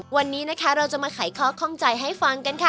วันนี้นะคะเราจะมาไขข้อข้องใจให้ฟังกันค่ะ